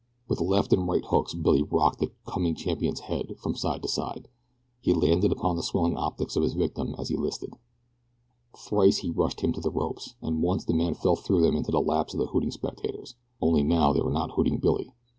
With left and right hooks Billy rocked the "coming champion's" head from side to side. He landed upon the swelling optics of his victim as he listed. Thrice he rushed him to the ropes, and once the man fell through them into the laps of the hooting spectators only now they were not hooting Billy.